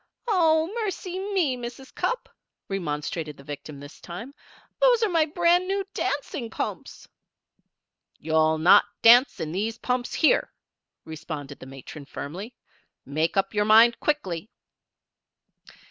"Oh, mercy me, Mrs. Cupp!" remonstrated the victim this time. "Those are my brand new dancing pumps!" "You'll not dance in these pumps here," responded the matron, firmly. "Make up your mind quickly."